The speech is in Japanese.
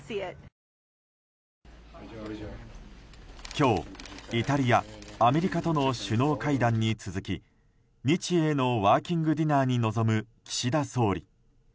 今日、イタリア、アメリカとの首脳会談に続き日英のワーキングディナーに臨む岸田総理。